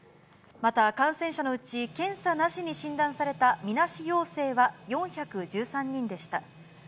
また、感染者のうち検査なしに診断されたみなし陽性は４１３人でした。